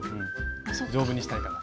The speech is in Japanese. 丈夫にしたいから。